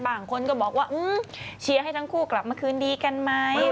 บางคนก็บอกว่าเชียร์ให้ทั้งคู่กลับมาคืนดีกันไหม